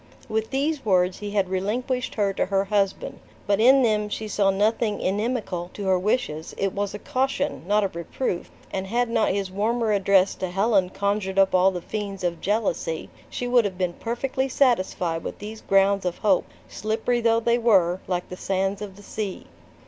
With these words he had relinquished her to her husband. But in them she saw nothing inimical to her wishes; it was a caution, not a reproof, and had not his warmer address to Helen conjured up all the fiends of jealousy, she would have been perfectly satisfied with these grounds of hope slippery though they were, like the sands of the sea.